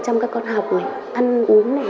trong các con học này ăn uống này